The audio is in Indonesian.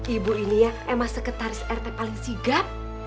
ibu ini ya emang sekretaris rt paling sigap